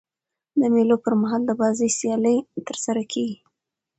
د مېلو پر مهال د بازۍ سیالۍ ترسره کیږي.